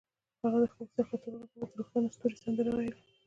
هغې د ښایسته خاطرو لپاره د روښانه ستوري سندره ویله.